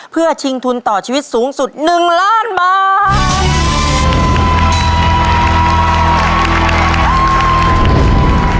เพื่อชิงทุนต่อชีวิตสูงสุด๑ล้านบาท